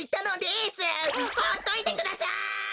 ほっといてください！